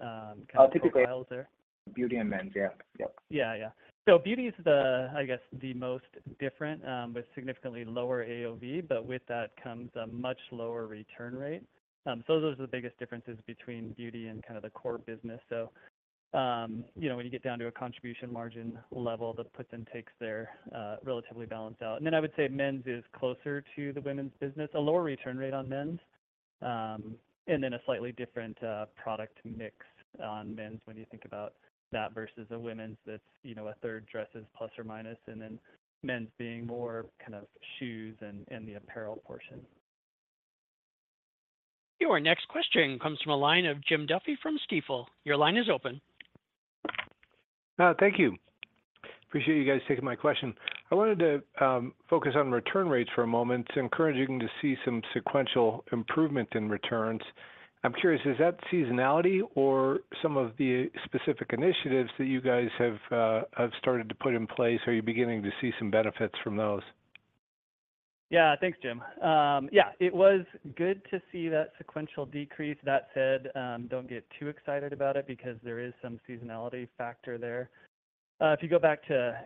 of. Oh, typical. Files there? Beauty and men's. Yeah, yep. Yeah, yeah. So beauty is, I guess, the most different with significantly lower AOV, but with that comes a much lower return rate. So those are the biggest differences between beauty and kind of the core business. So when you get down to a contribution margin level, the puts and takes there relatively balanced out. And then I would say men's is closer to the women's business, a lower return rate on men's, and then a slightly different product mix on men's when you think about that versus a women's that's a third dresses plus or minus, and then men's being more kind of shoes and the apparel portion. Your next question comes from a line of Jim Duffy from Stifel. Your line is open. Thank you. Appreciate you guys taking my question. I wanted to focus on return rates for a moment. Encouraging to see some sequential improvement in returns. I'm curious, is that seasonality or some of the specific initiatives that you guys have started to put in place, or are you beginning to see some benefits from those? Yeah, thanks, Jim. Yeah, it was good to see that sequential decrease. That said, don't get too excited about it because there is some seasonality factor there. If you go back to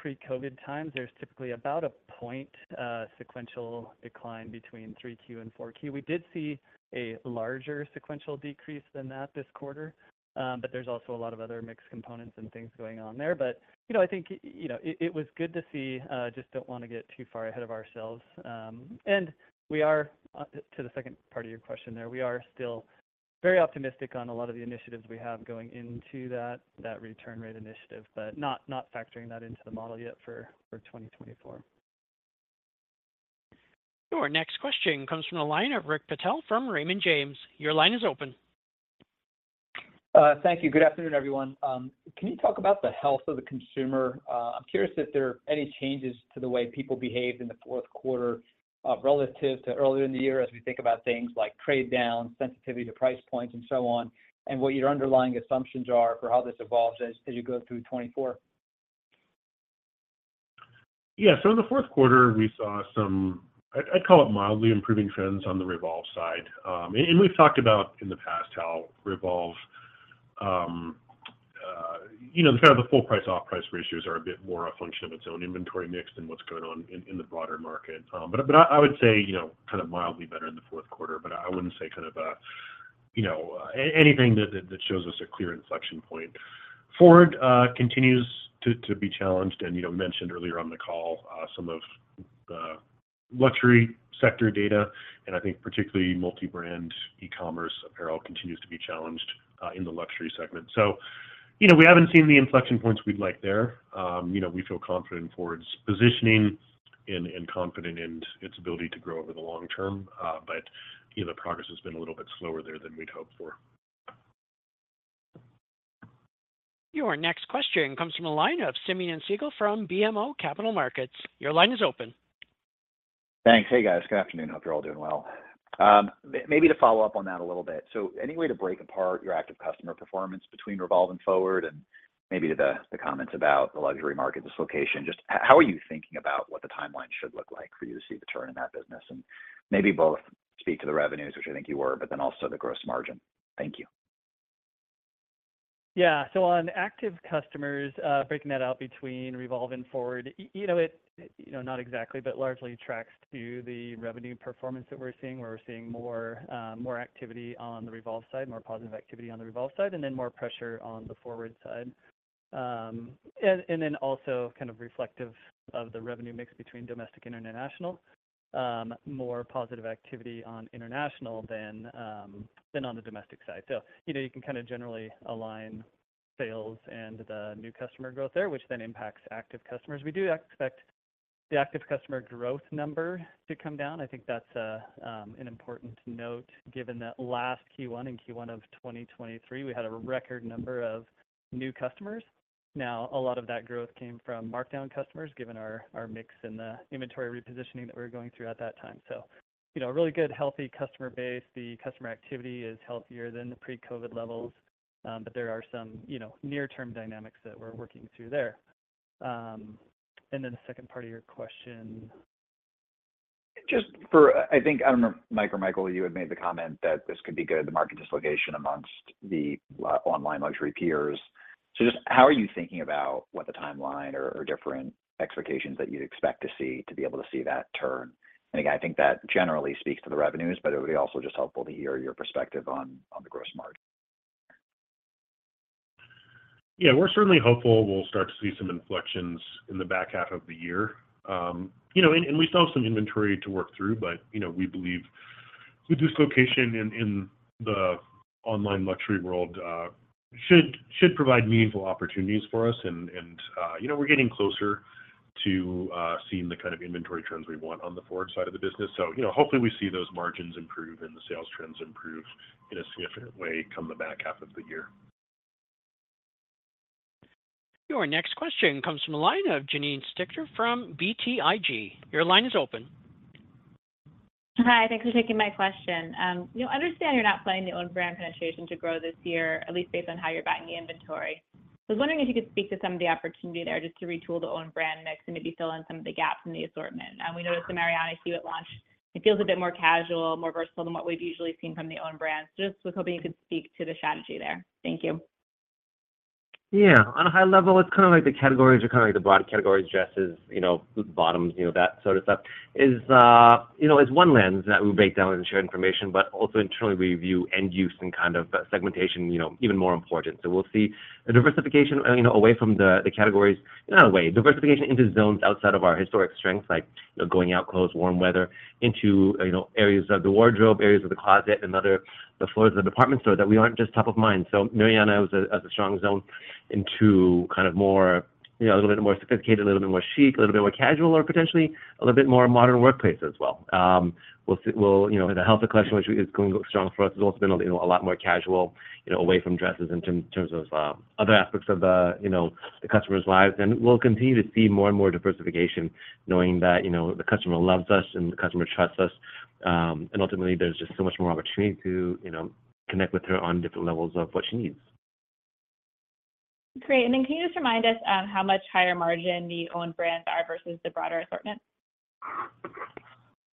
pre-COVID times, there's typically about a point sequential decline between Q3 and Q4. We did see a larger sequential decrease than that this quarter, but there's also a lot of other mixed components and things going on there. But I think it was good to see. Just don't want to get too far ahead of ourselves. And to the second part of your question there, we are still very optimistic on a lot of the initiatives we have going into that return rate initiative, but not factoring that into the model yet for 2024. Your next question comes from a line of Rick Patel from Raymond James. Your line is open. Thank you. Good afternoon, everyone. Can you talk about the health of the consumer? I'm curious if there are any changes to the way people behave in the fourth quarter relative to earlier in the year as we think about things like trade down, sensitivity to price points, and so on, and what your underlying assumptions are for how this evolves as you go through 2024? Yeah, so in the fourth quarter, we saw some, I'd call it, mildly improving trends on the Revolve side. And we've talked about in the past how Revolve, kind of the full-price-off-price ratios are a bit more a function of its own inventory mix than what's going on in the broader market. But I would say kind of mildly better in the fourth quarter, but I wouldn't say kind of anything that shows us a clear inflection point. FWRD continues to be challenged. And we mentioned earlier on the call some of the luxury sector data, and I think particularly multi-brand e-commerce apparel continues to be challenged in the luxury segment. So we haven't seen the inflection points we'd like there. We feel confident in FWRD's positioning and confident in its ability to grow over the long term, but the progress has been a little bit slower there than we'd hoped for. Your next question comes from a line of Simeon Siegel from BMO Capital Markets. Your line is open. Thanks. Hey, guys. Good afternoon. Hope you're all doing well. Maybe to follow up on that a little bit. So any way to break apart your active customer performance between Revolve and FWRD and maybe to the comments about the luxury market dislocation, just how are you thinking about what the timeline should look like for you to see the turn in that business? And maybe both speak to the revenues, which I think you were, but then also the gross margin. Thank you. Yeah, so on active customers, breaking that out between Revolve and FWRD, not exactly, but largely tracks to the revenue performance that we're seeing, where we're seeing more activity on the Revolve side, more positive activity on the Revolve side, and then more pressure on the FWRD side. And then also kind of reflective of the revenue mix between domestic and international, more positive activity on international than on the domestic side. So you can kind of generally align sales and the new customer growth there, which then impacts active customers. We do expect the active customer growth number to come down. I think that's an important note given that last Q1 and Q1 of 2023, we had a record number of new customers. Now, a lot of that growth came from markdown customers given our mix and the inventory repositioning that we were going through at that time. A really good, healthy customer base. The customer activity is healthier than the pre-COVID levels, but there are some near-term dynamics that we're working through there. Then the second part of your question. Just for, I think, I don't know if Mike or Michael, you had made the comment that this could be good, the market dislocation among the online luxury peers. So just how are you thinking about what the timeline or different expectations that you'd expect to see to be able to see that turn? And again, I think that generally speaks to the revenues, but it would be also just helpful to hear your perspective on the gross margin. Yeah, we're certainly hopeful we'll start to see some inflections in the back half of the year. We still have some inventory to work through, but we believe the dislocation in the online luxury world should provide meaningful opportunities for us. We're getting closer to seeing the kind of inventory trends we want on the FWRD side of the business. Hopefully, we see those margins improve and the sales trends improve in a significant way come the back half of the year. Your next question comes from a line of Janine Stichter from BTIG. Your line is open. Hi, thanks for taking my question. Understand you're not planning to own brand penetration to grow this year, at least based on how you're backing the inventory. I was wondering if you could speak to some of the opportunity there just to retool the own brand mix and maybe fill in some of the gaps in the assortment. We noticed the Marianna Hewitt launch, it feels a bit more casual, more versatile than what we've usually seen from the own brands. So just was hoping you could speak to the strategy there. Thank you. Yeah, on a high level, it's kind of like the categories are kind of like the broad categories, dresses, bottoms, that sort of stuff is one lens that we break down and share information, but also internally, we view end use and kind of segmentation even more important. So we'll see a diversification away from the categories, not away, diversification into zones outside of our historic strengths like going out clothes, warm weather, into areas of the wardrobe, areas of the closet, and other floors of the department store that we aren't just top of mind. So Marianna was a strong zone into kind of a little bit more sophisticated, a little bit more chic, a little bit more casual, or potentially a little bit more modern workplace as well. The Helsa collection, which is going strong for us, has also been a lot more casual away from dresses in terms of other aspects of the customer's lives. And we'll continue to see more and more diversification knowing that the customer loves us and the customer trusts us. And ultimately, there's just so much more opportunity to connect with her on different levels of what she needs. Great. And then can you just remind us how much higher margin the owned brands are versus the broader assortment?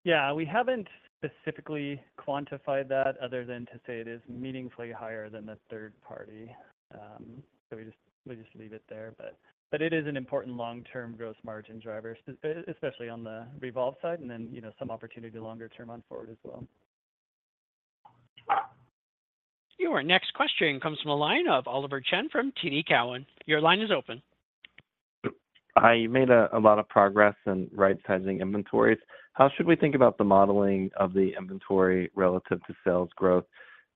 Yeah, we haven't specifically quantified that other than to say it is meaningfully higher than the third party. So we just leave it there. But it is an important long-term gross margin driver, especially on the Revolve side and then some opportunity longer term on Forward as well. Your next question comes from a line of Oliver Chen from TD Cowen. Your line is open. Hi, you made a lot of progress in right-sizing inventories. How should we think about the modeling of the inventory relative to sales growth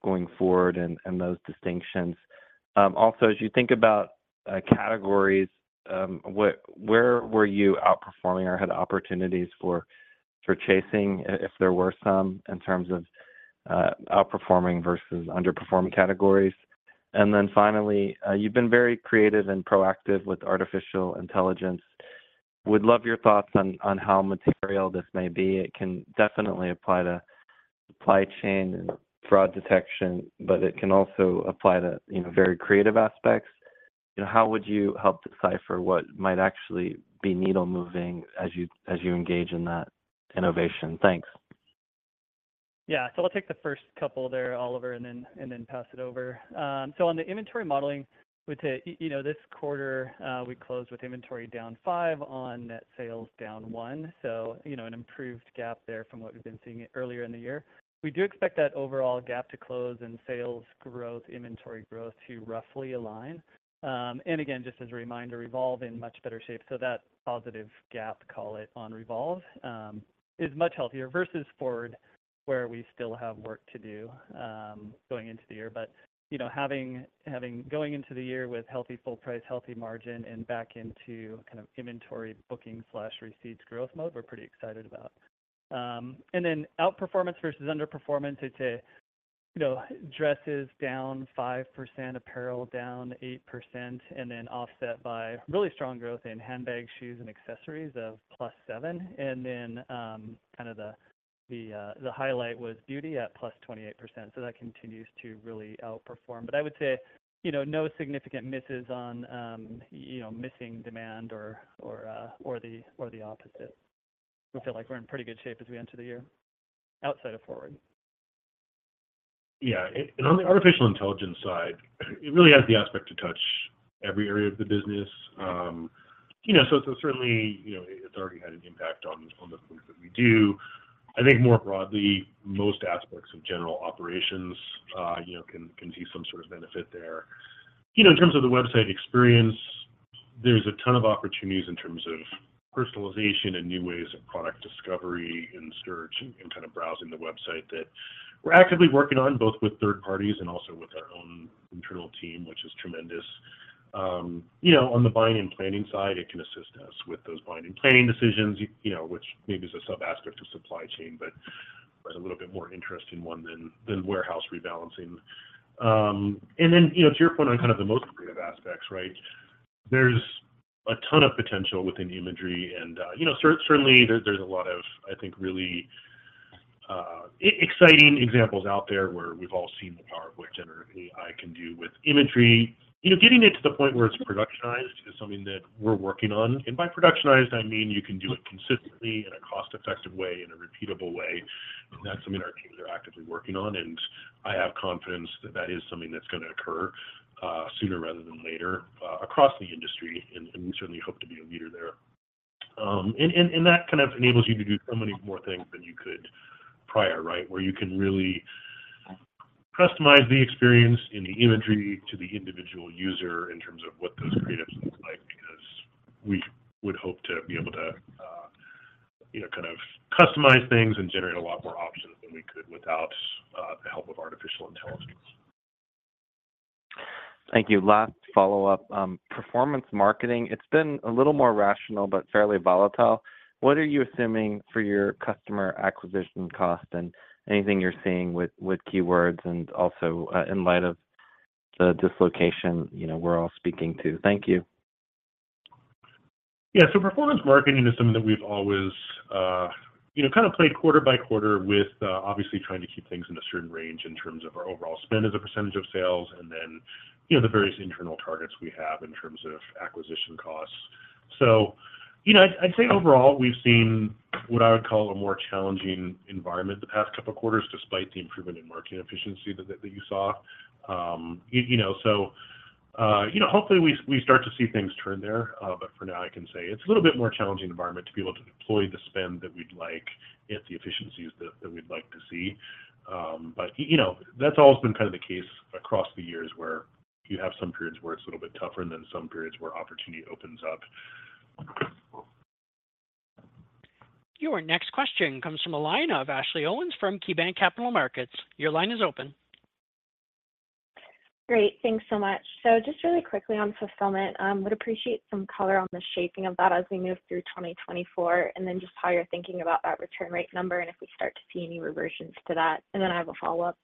going forward and those distinctions? Also, as you think about categories, where were you outperforming or had opportunities for chasing, if there were some, in terms of outperforming versus underperforming categories? And then finally, you've been very creative and proactive with artificial intelligence. Would love your thoughts on how material this may be. It can definitely apply to supply chain and fraud detection, but it can also apply to very creative aspects. How would you help decipher what might actually be needle-moving as you engage in that innovation? Thanks. Yeah, so I'll take the first couple there, Oliver, and then pass it over. So on the inventory modeling, we'd say this quarter, we closed with inventory down five on net sales down one, so an improved gap there from what we've been seeing earlier in the year. We do expect that overall gap to close and sales growth, inventory growth to roughly align. And again, just as a reminder, Revolve in much better shape. So that positive gap, call it, on Revolve is much healthier versus FWRD, where we still have work to do going into the year. But going into the year with Helsa full price, Helsa margin, and back into kind of inventory booking/receipts growth mode, we're pretty excited about. Outperformance versus underperformance, I'd say dresses down 5%, apparel down 8%, and then offset by really strong growth in handbags, shoes, and accessories of +7%. Kind of the highlight was beauty at +28%. That continues to really outperform. I would say no significant misses on missing demand or the opposite. We feel like we're in pretty good shape as we enter the year outside of FWRD. Yeah, and on the artificial intelligence side, it really has the aspect to touch every area of the business. So certainly, it's already had an impact on the things that we do. I think more broadly, most aspects of general operations can see some sort of benefit there. In terms of the website experience, there's a ton of opportunities in terms of personalization and new ways of product discovery and search and kind of browsing the website that we're actively working on both with third parties and also with our own internal team, which is tremendous. On the buying and planning side, it can assist us with those buying and planning decisions, which maybe is a sub-aspect of supply chain, but has a little bit more interest in one than warehouse rebalancing. Then to your point on kind of the most creative aspects, right, there's a ton of potential within imagery. And certainly, there's a lot of, I think, really exciting examples out there where we've all seen the power of what generative AI can do with imagery. Getting it to the point where it's productionized is something that we're working on. And by productionized, I mean you can do it consistently in a cost-effective way, in a repeatable way. And that's something our teams are actively working on. And I have confidence that that is something that's going to occur sooner rather than later across the industry. And we certainly hope to be a leader there. That kind of enables you to do so many more things than you could prior, right, where you can really customize the experience in the imagery to the individual user in terms of what those creative things like because we would hope to be able to kind of customize things and generate a lot more options than we could without the help of artificial intelligence. Thank you. Last follow-up, performance marketing. It's been a little more rational, but fairly volatile. What are you assuming for your customer acquisition cost and anything you're seeing with keywords? And also in light of the dislocation, we're all speaking to. Thank you. Yeah, so performance marketing is something that we've always kind of played quarter by quarter with, obviously trying to keep things in a certain range in terms of our overall spend as a percentage of sales and then the various internal targets we have in terms of acquisition costs. So I'd say overall, we've seen what I would call a more challenging environment the past couple of quarters despite the improvement in marketing efficiency that you saw. So hopefully, we start to see things turn there. But for now, I can say it's a little bit more challenging environment to be able to deploy the spend that we'd like at the efficiencies that we'd like to see. But that's always been kind of the case across the years where you have some periods where it's a little bit tougher than some periods where opportunity opens up. Your next question comes from a line of Ashley Owens from KeyBanc Capital Markets. Your line is open. Great. Thanks so much. So just really quickly on fulfillment, I would appreciate some color on the shaping of that as we move through 2024 and then just how you're thinking about that return rate number and if we start to see any reversions to that? And then I have a follow-up.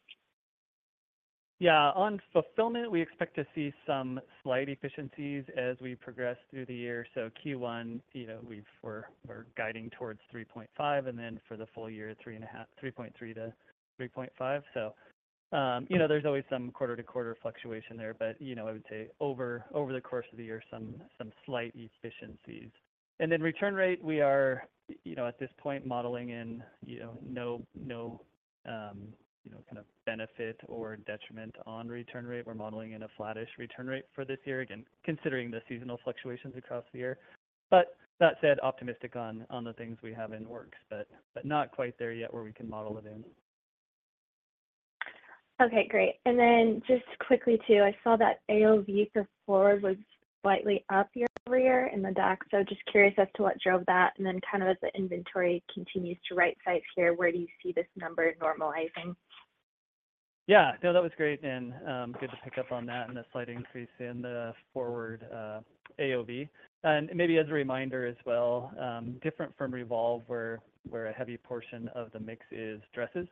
Yeah, on fulfillment, we expect to see some slight efficiencies as we progress through the year. So Q1, we're guiding towards 3.5, and then for the full year, 3.3 to 3.5. So there's always some quarter-to-quarter fluctuation there, but I would say over the course of the year, some slight efficiencies. And then return rate, we are at this point modeling in no kind of benefit or detriment on return rate. We're modeling in a flattish return rate for this year, again, considering the seasonal fluctuations across the year. But that said, optimistic on the things we have in works, but not quite there yet where we can model it in. Okay, great. Then just quickly too, I saw that AOV for FWRD was slightly up year-over-year in the doc. So just curious as to what drove that. Then kind of as the inventory continues to right-size here, where do you see this number normalizing? Yeah, no, that was great and good to pick up on that and the slight increase in the FWRD AOV. And maybe as a reminder as well, different from Revolve where a heavy portion of the mix is dresses,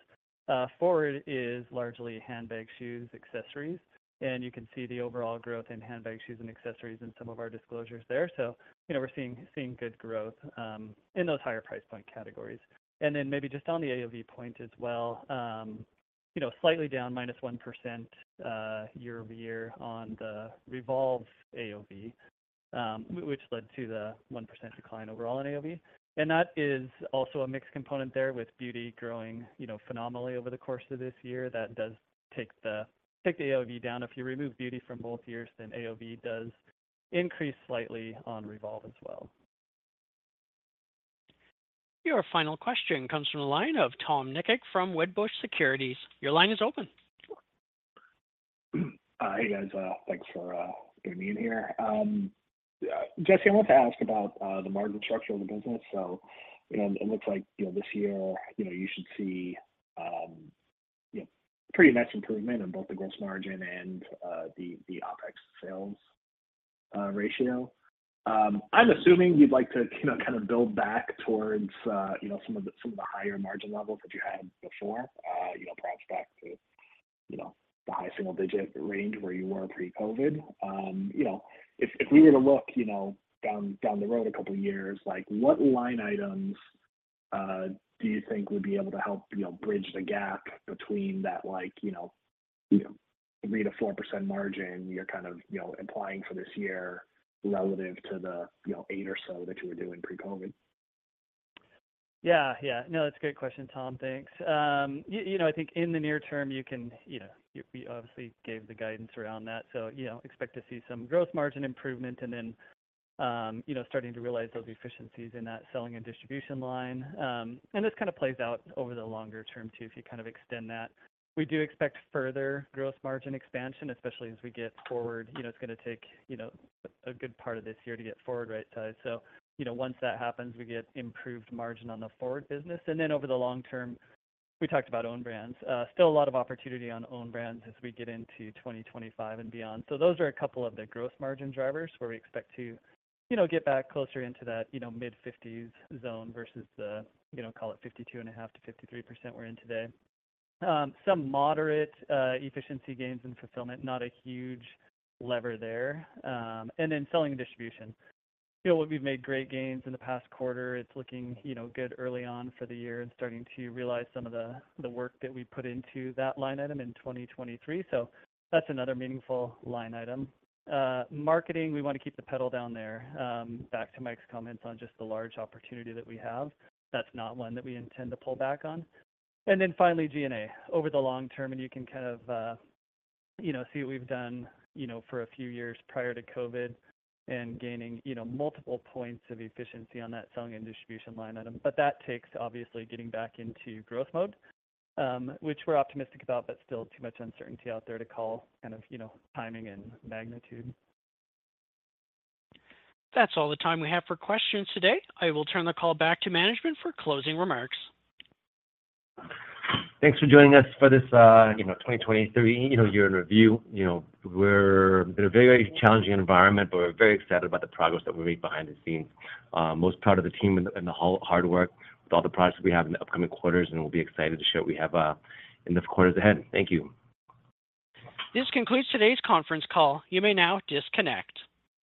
FWRD is largely handbags, shoes, accessories. And you can see the overall growth in handbags, shoes, and accessories in some of our disclosures there. So we're seeing good growth in those higher price point categories. And then maybe just on the AOV point as well, slightly down -1% year-over-year on the Revolve AOV, which led to the 1% decline overall in AOV. And that is also a mixed component there with beauty growing phenomenally over the course of this year. That does take the AOV down. If you remove beauty from both years, then AOV does increase slightly on Revolve as well. Your final question comes from a line of Tom Nikic from Wedbush Securities. Your line is open. Hey, guys. Thanks for getting me in here. Jesse, I wanted to ask about the margin structure of the business. So it looks like this year, you should see pretty nice improvement in both the gross margin and the OpEx sales ratio. I'm assuming you'd like to kind of build back towards some of the higher margin levels that you had before, perhaps back to the high single-digit range where you were pre-COVID. If we were to look down the road a couple of years, what line items do you think would be able to help bridge the gap between that 3% to 4% margin you're kind of implying for this year relative to the 8% or so that you were doing pre-COVID? Yeah, yeah. No, that's a great question, Tom. Thanks. I think in the near term, we obviously gave the guidance around that. So expect to see some gross margin improvement and then starting to realize those efficiencies in that selling and distribution line. And this kind of plays out over the longer term too if you kind of extend that. We do expect further gross margin expansion, especially as we get FWRD. It's going to take a good part of this year to get FWRD right-sized. So once that happens, we get improved margin on the FWRD business. And then over the long term, we talked about owned brands. Still a lot of opportunity on owned brands as we get into 2025 and beyond. Those are a couple of the gross margin drivers where we expect to get back closer into that mid-50s zone versus the, call it, 52.5% to 53% we're in today. Some moderate efficiency gains in fulfillment, not a huge lever there. And then selling and distribution. What we've made great gains in the past quarter, it's looking good early on for the year and starting to realize some of the work that we put into that line item in 2023. So that's another meaningful line item. Marketing, we want to keep the pedal down there. Back to Mike's comments on just the large opportunity that we have. That's not one that we intend to pull back on. And then finally, G&A. Over the long term, and you can kind of see what we've done for a few years prior to COVID and gaining multiple points of efficiency on that selling and distribution line item. But that takes, obviously, getting back into growth mode, which we're optimistic about, but still too much uncertainty out there to call kind of timing and magnitude. That's all the time we have for questions today. I will turn the call back to management for closing remarks. Thanks for joining us for this 2023 year in review. It's been a very, very challenging environment, but we're very excited about the progress that we've made behind the scenes. Most proud of the team and the hard work with all the products that we have in the upcoming quarters, and we'll be excited to show what we have in the quarters ahead. Thank you. This concludes today's conference call. You may now disconnect.